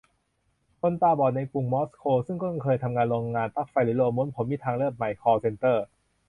คนตาบอดในกรุงมอสโก ซึ่งเคยต้องทำงานโรงงานปลั๊กไฟหรือโรลม้วนผม : มีทางเลือกใหม่ คอลล์เซ็นเตอร์